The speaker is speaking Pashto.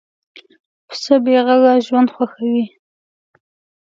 پسه بېغږه ژوند خوښوي.